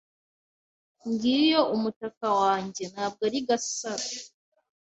Ngiyo umutaka wanjye, ntabwo ari Gasaro.